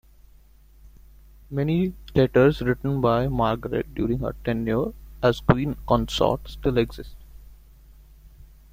Many letters, written by Margaret during her tenure as queen consort, still exist.